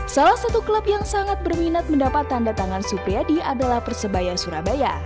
salah satu klub yang sangat berminat mendapat tanda tangan supriyadi adalah persebaya surabaya